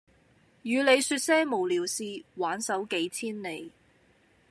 與你說些無聊事挽手幾千里